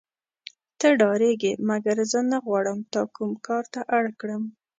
ته ډارېږې مګر زه نه غواړم تا کوم کار ته اړ کړم.